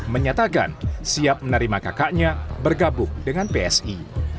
menyatakan siap menerima kakaknya bergabung dengan psi